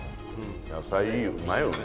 野菜いいうまいよね。